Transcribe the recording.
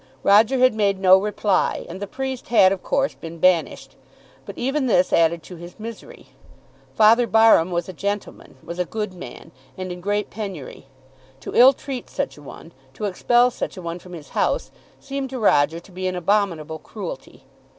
Roger had made no reply, and the priest had of course been banished. But even this added to his misery. Father Barham was a gentleman, was a good man, and in great penury. To ill treat such a one, to expel such a one from his house, seemed to Roger to be an abominable cruelty.